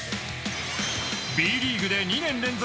Ｂリーグで２年連続